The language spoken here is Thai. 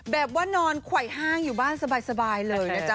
แบบว่านอนไขว่ห้างอยู่บ้านสบายเลยนะจ๊